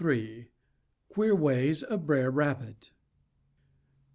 III. QUEER WAYS OF BR'ER RABBIT.